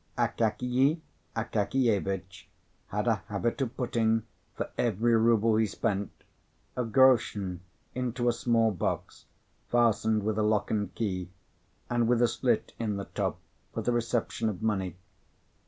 Akakiy Akakievitch had a habit of putting, for every ruble he spent, a groschen into a small box, fastened with a lock and key, and with a slit in the top for the reception of money.